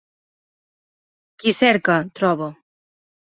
Qui cerca, troba.